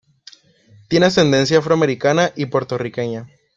Tiene ascendencia afroamericana y puertorriqueña.